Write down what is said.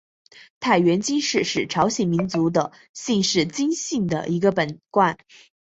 太原金氏是朝鲜民族的姓氏金姓的一个本贯。